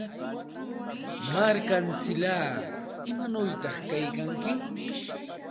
Markamsillaa, ¿imanawta kaykanki?